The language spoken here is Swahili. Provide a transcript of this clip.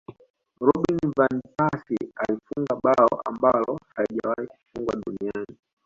robin van persie alifunga bao ambalo halijawahi Kufungwa duniani